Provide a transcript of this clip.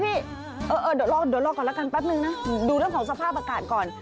พี่เออเดี๋ยวรอก่อนแล้วกันแป๊บนึงนะดูเรื่องของสภาพอากาศก่อน